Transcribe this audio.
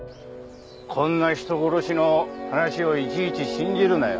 こんな人殺しの話をいちいち信じるなよ。